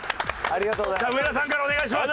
上田さんからお願いします。